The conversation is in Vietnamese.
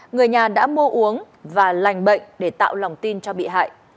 người nhà đã mua uống và lành bệnh để tạo lòng tin cho bị hại